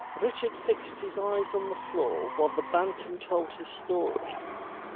Richard fixed his eyes on the floor while the Bantam told his story.